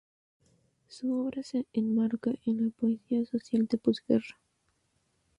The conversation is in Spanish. Su obra se enmarca en la poesía social de posguerra.